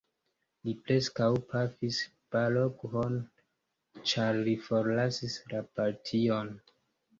Li preskaŭ pafis Balogh-on, ĉar li forlasis la partion.